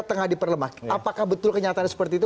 tengah diperlemak apakah betul kenyataan seperti itu